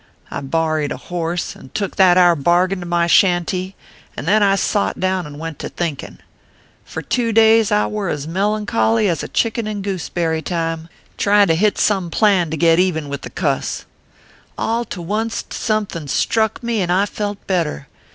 I borreyed a horse, and took that ar bargain to my shanty ; and then I sot down and went to thinkin . Fur two days I war as melancholy as a chicken in gooseberry time, tryin to 236 OEPHEUS C. KERB PAPERS. hit some plan to get even with the cuss. All to onct somethin struck me, and I felt better.